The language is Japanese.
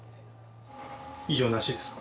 異常なしですか？